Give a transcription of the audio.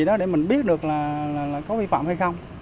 đó để mình biết được là có vi phạm hay không